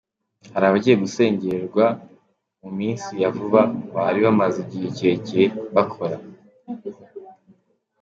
Hari abagiye gusengerwa mu minsi ya vuba bari bamaze igihe kirekire bakora.